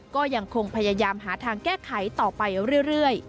ก็ยังคงพยายามหาทางแก้ไขต่อไปเรื่อย